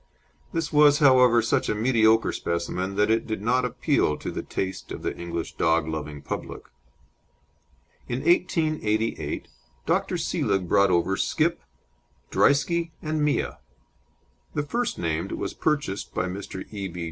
This was, however, such a mediocre specimen that it did not appeal to the taste of the English dog loving public. In 1888 Dr. Seelig brought over Skip, Drieske, and Mia. The first named was purchased by Mr. E. B.